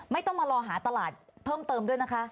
ไม่ต้องมารอหาตลาดเพิ่มเติมด้วยนะคะ